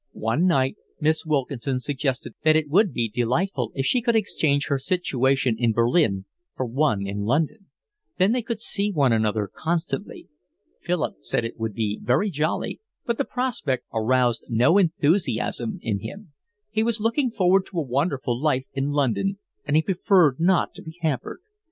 One night Miss Wilkinson suggested that it would be delightful if she could exchange her situation in Berlin for one in London. Then they could see one another constantly. Philip said it would be very jolly, but the prospect aroused no enthusiasm in him; he was looking forward to a wonderful life in London, and he preferred not to be hampered.